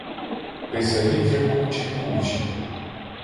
Писарів же кучі, кучі!